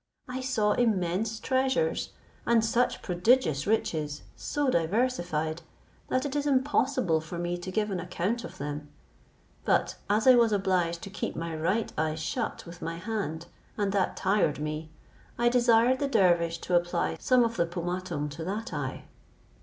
I saw immense treasures, and such prodigious riches, so diversified, that it is impossible for me to give an account of them; but as I was obliged to keep my right eye shut with my hand, and that tired me, I desired the dervish to apply some of the pomatum to that eye.